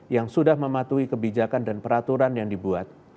yang sudah mematuhi kebijakan dan peraturan yang dibuat